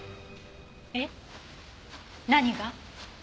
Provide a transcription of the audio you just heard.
えっ何が？